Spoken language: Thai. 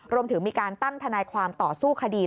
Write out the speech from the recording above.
รวมถึงมีการตั้งทนายความต่อสู้คดี